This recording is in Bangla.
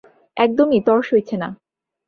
একদমই তর সইছে না।